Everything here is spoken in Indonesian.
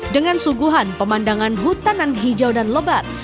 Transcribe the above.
dengan suguhan pemandangan hutan hijau dan lebat